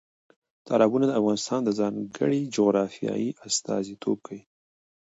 تالابونه د افغانستان د ځانګړې جغرافیې استازیتوب کوي.